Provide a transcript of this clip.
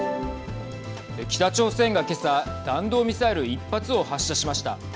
北朝鮮が今朝弾道ミサイル１発を発射しました。